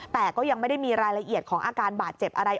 แต่ก็ยังไม่ได้มีรายละเอียดของอาการบาดเจ็บอะไร